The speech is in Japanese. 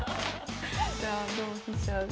じゃあ同飛車で。